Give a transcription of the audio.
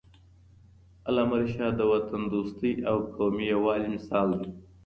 علامه رشاد د وطن دوستۍ او قومي یووالي مثال دی.